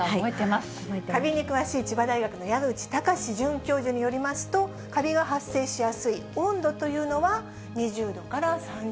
カビに詳しい千葉大学の矢口貴志准教授によりますと、カビが発生しやすい温度というのは、２０度から３０度。